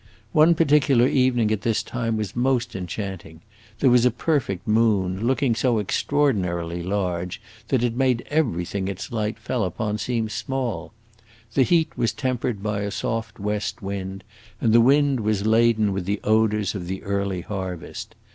One particular evening at this time was most enchanting; there was a perfect moon, looking so extraordinarily large that it made everything its light fell upon seem small; the heat was tempered by a soft west wind, and the wind was laden with the odors of the early harvest.